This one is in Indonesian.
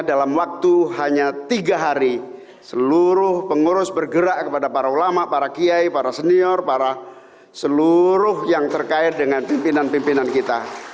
dalam waktu hanya tiga hari seluruh pengurus bergerak kepada para ulama para kiai para senior para seluruh yang terkait dengan pimpinan pimpinan kita